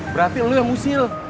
berarti lo yang ngusil